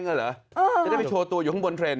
จะได้ไปโชว์ตัวอยู่ข้างบนเทรนด